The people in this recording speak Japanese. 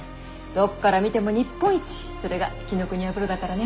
どっから見ても日本一それが紀伊国屋風呂だからね。